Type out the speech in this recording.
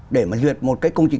để mà duyệt một cái công trình